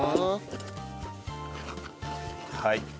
はい。